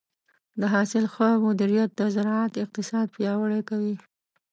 د حاصل ښه مدیریت د زراعت اقتصاد پیاوړی کوي.